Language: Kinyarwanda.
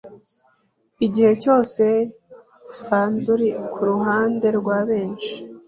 Igihe cyose usanze uri kuruhande rwa benshi,